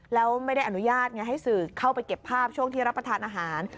แล้วไม่ได้อนุญาตไงให้สื่อเข้าไปเก็บภาพช่วงที่รับประทานอาหาร